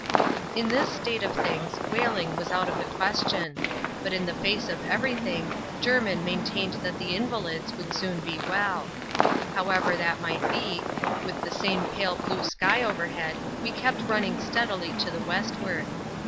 In this state of things, whaling was out of the question ; but in the face of every thing, Jermin maintained that the invalids would soon be welL However that might be, with the same pale blue sky overhead, we kept running steadily to the west ward.